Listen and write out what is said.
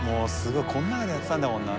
こんな中でやってたんだもんな。